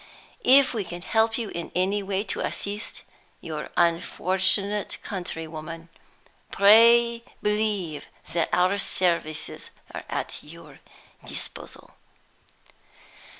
If we can help you in any way to assist your unfortunate country woman, pray believe that our services are at your disposal."